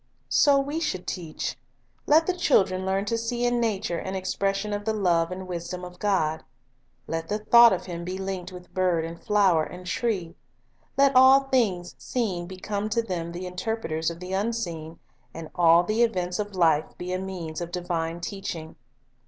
So we should teach. Let the children learn to see in nature an expression of the love and the wisdom of Lessons of Life IO' God ; let the thought of Him be linked with bird and flower and tree; let all things seen become to them the interpreters of the unseen, and all the events of life be a means of divine teaching.